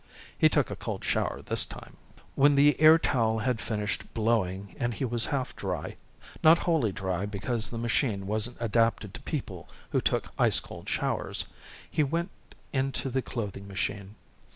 He took a cold shower this time. When the airtowel had finished blowing and he was half dry not wholly dry because the machine wasn't adapted to people who took ice cold showers he went in to the clothing machine.